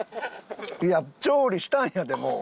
いや調理したんやでもう。